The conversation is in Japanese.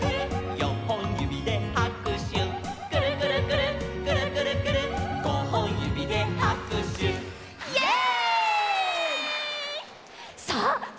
「よんほんゆびではくしゅ」「くるくるくるっくるくるくるっごほんゆびではくしゅ」イエイ！